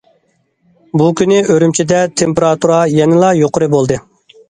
بۇ كۈنى ئۈرۈمچىدە تېمپېراتۇرا يەنىلا يۇقىرى بولدى.